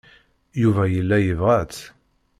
Yuba yella yebɣa-tt.